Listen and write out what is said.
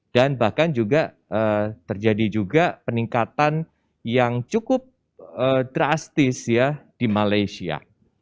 dan bahkan juga terjadi juga peningkatan yang cukup drastis ya di malaysia